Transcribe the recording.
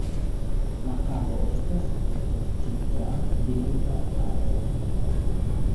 La kabo estas protektita birda areo.